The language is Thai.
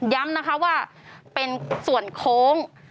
ย้ำนะคะว่าเป็นส่วนโค้ง